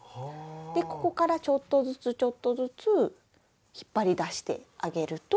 ここからちょっとずつちょっとずつ引っ張り出してあげると。